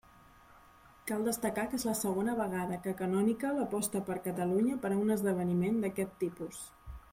Cal destacar que és la segona vegada que Canonical aposta per Catalunya per a un esdeveniment d'aquest tipus.